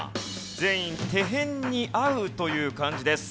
全員手へんに「合う」という漢字です。